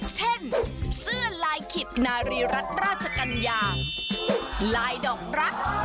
เช่นเสื้อลายขิดนารีรัฐราชกัญญาลายดอกรัก